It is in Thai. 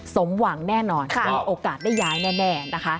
สมหวังแน่นอนมีโอกาสได้ย้ายแน่นะคะ